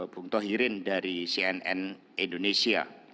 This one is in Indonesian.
bung tohirin dari cnn indonesia